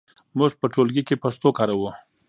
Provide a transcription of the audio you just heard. موږ په ټولګي کې پښتو کاروو.